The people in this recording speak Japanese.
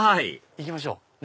行きましょう。